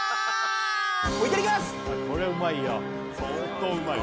いただきます！